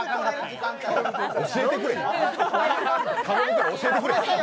頼むから、教えてくれ。